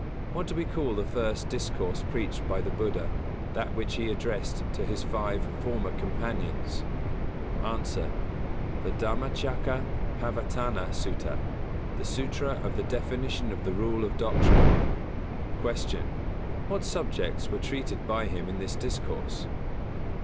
What do we call the first discourse preached by the Buddha that which he addressed to his five former companions? A. The Dhammacakka ppavattana sutta the Sūtra of the Definition of the Rule of Doctrine. 178. Q. _What subjects were treated by him in this discourse?